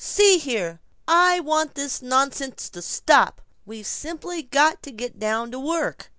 "See here, I want this nonsense to stop. We've simply got to get down to work."